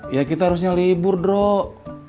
ya kita harusnya libur dok